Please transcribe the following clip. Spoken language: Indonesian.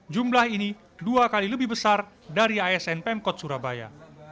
jumlah ini dua kali lebih besar dari asn pemkot surabaya